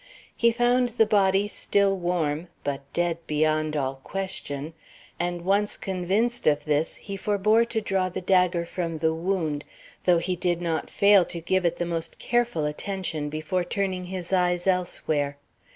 He found the body still warm, but dead beyond all question, and, once convinced of this, he forbore to draw the dagger from the wound, though he did not fail to give it the most careful attention before turning his eyes elsewhere.